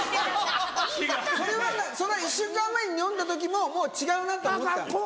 それは１週間前に読んだ時ももう違うなと思ったの？